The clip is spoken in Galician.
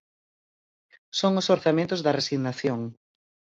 Son os orzamentos da resignación.